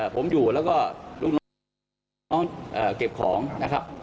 ผมอยู่แล้วก็ลูกน้องเก็บของนะครับ